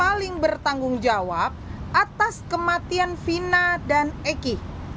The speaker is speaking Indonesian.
paling bertanggung jawab atas kematian vina dan eki